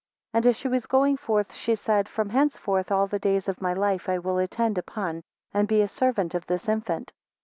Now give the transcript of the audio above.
18 And as she was going forth, she said, From henceforth, all the days of my life, I will attend upon and be a servant of this infant.